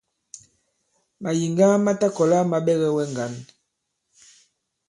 Màyìŋga ma ta kɔ̀la ma ɓɛgɛ wɛ ŋgǎn.